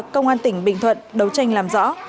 công an tỉnh bình thuận đấu tranh làm rõ